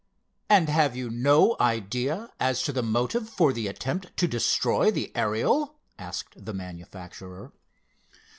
"And have you no idea as to the motive for the attempt to destroy the Ariel?" asked the manufacturer.